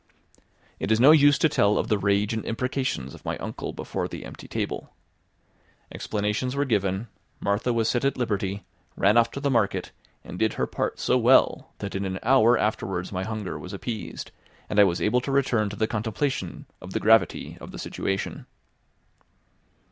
It is no use to tell of the rage and imprecations of my uncle before the empty table. Explanations were given, Martha was set at liberty, ran off to the market, and did her part so well that in an hour afterwards my hunger was appeased, and I was able to return to the contemplation of the gravity of the situation.